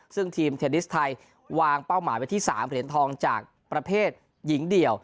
ซึ่งทีมเทนนิสไทยวางเป้าหมายไว้ที่๓เหรียญทองจากประเภทหญิงเดี่ยว